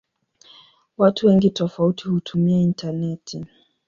Watu wengi tofauti hutumia intaneti.